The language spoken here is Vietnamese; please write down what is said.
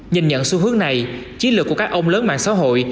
nhìn nhận xu hướng này chí lực của các ông lớn mạng xã hội